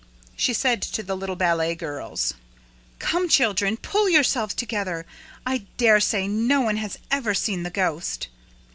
She said to the little ballet girls: "Come, children, pull yourselves together! I dare say no one has ever seen the ghost."